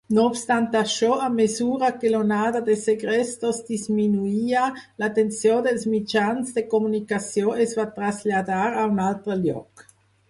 No obstant això, a mesura que l'onada de segrestos disminuïa, l'atenció dels mitjans de comunicació es va traslladar a un altre lloc.